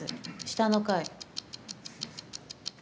下の階。